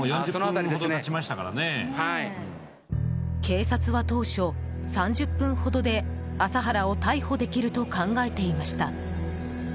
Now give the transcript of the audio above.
警察は当初、３０分ほどで麻原を逮捕できると考えていました。